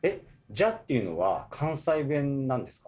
「じゃ」って言うのは関西弁なんですか？